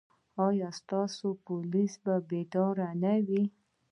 ایا ستاسو پولیس به بیدار نه وي؟